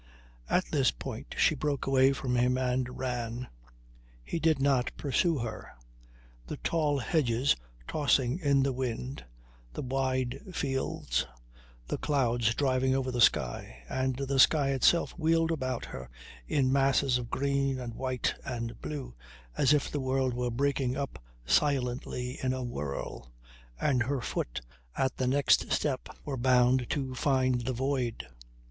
At this point she broke away from him and ran. He did not pursue her. The tall hedges tossing in the wind, the wide fields, the clouds driving over the sky and the sky itself wheeled about her in masses of green and white and blue as if the world were breaking up silently in a whirl, and her foot at the next step were bound to find the void.